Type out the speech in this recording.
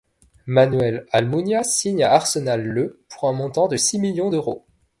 Manuel Almunia signe à Arsenal le pour un montant de six millions d'euros.